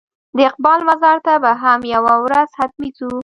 د اقبال مزار ته به هم یوه ورځ حتمي ځو.